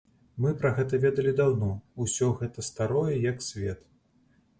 Мы пра гэта ведалі даўно, усё гэта старое, як свет.